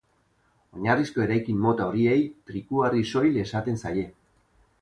Oinarrizko eraikin mota horiei trikuharri soil esaten zaie.